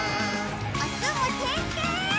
おつむてんてん！